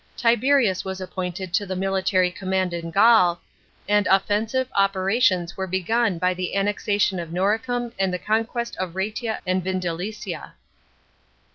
Tiberius was appointed to the military command in Gaul, and offensive operations were be^un by the annexation of Noricum and the conquest of Raetia and Vindelicia.